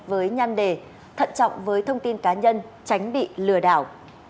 với nhan đề thận trọng với thông tin cá nhân tránh bị lừa đảo